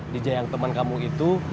dija yang teman kamu itu